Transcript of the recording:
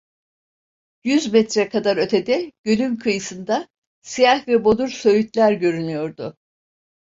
Yüz metre kadar ötede, gölün kıyısında siyah ve bodur söğütler görünüyordu.